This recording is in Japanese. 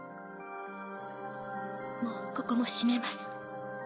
もうここも閉めます。